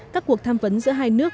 các cuộc tham vấn giữa hai nước